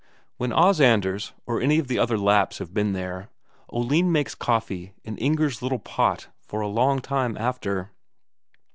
When Os Anders or any of the other Lapps have been there, Oline makes coffee in Inger's little pot for a long time after.